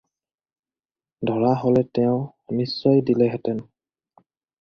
ধৰা হ'লে তেওঁ নিশ্চয় দিলেহেঁতেন।